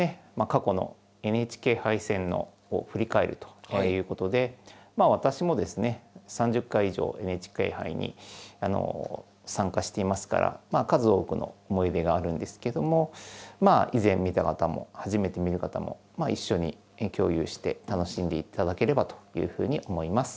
過去のＮＨＫ杯戦を振り返るということで私もですね３０回以上ＮＨＫ杯に参加していますから数多くの思い出があるんですけどもまあ以前見た方も初めて見る方もまあ一緒に共有して楽しんでいただければというふうに思います。